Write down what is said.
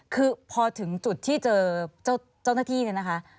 คือพอถึงจุดที่เจอเจ้าหน้าที่เนี่ยนะคะ